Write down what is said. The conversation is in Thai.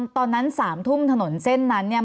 ตอนนั้น๓ทุ่มถนนเส้นนั้นเนี่ย